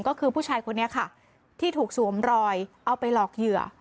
ก็คือผู้ชายคนนี้ค่ะที่ถูกสวมรอยเอาไปหลอกเหยื่อ